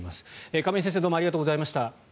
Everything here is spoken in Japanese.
亀井先生どうもありがとうございました。